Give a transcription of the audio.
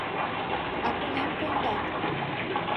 — А кунам кондат?